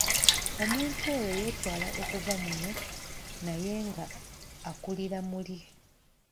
Omuntu oyo yeetwala okuva muno naye ng’akuliira muli.